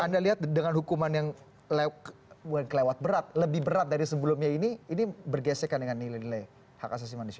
anda lihat dengan hukuman yang lewat berat lebih berat dari sebelumnya ini ini bergesekan dengan nilai nilai hak asasi manusia